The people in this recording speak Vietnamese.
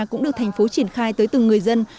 cũng được thành phố triển khai tới từng người dân